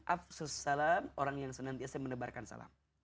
afsus salam orang yang senantiasa mendebarkan salam